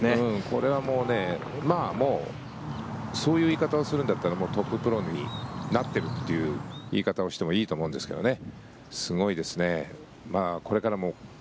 これはもうそういう言い方をするんだったらトッププロになっているっていう言い方をしてもいいと思うんですけどね。